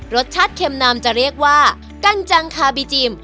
รสชาติเข็มนำจะเรียกว่ากั้นจังคาบีจีม